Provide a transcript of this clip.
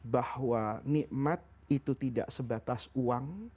bahwa nikmat itu tidak sebatas uang